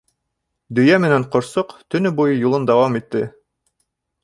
Дөйә менән ҡошсоҡ төнө буйы юлын дауам итте.